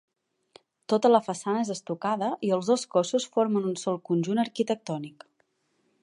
Tota la façana és estucada i els dos cossos formen un sol conjunt arquitectònic.